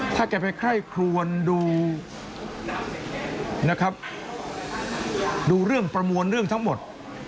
ถ้าแกไปไคร่ครวนดูนะครับดูเรื่องประมวลเรื่องทั้งหมด